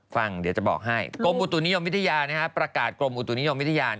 ฟังเดี๋ยวจะบอกให้กรมอุตุนิยมวิทยาประกาศกรมอุตุนิยมวิทยา